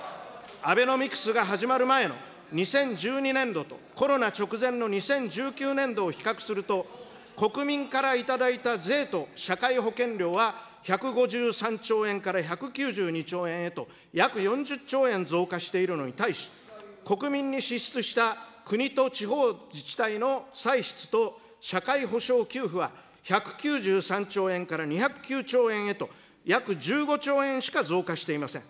アベノミクスが始まる前の２０１２年度とコロナ直前の２０１９年度を比較すると、国民から頂いた税と社会保険料は１５３兆円から１９２兆円へと、約４０兆円増加しているのに対し、国民に支出した国と地方自治体の歳出と社会保障給付は１９３兆円から２０９兆円へと、約１５兆円しか増加していません。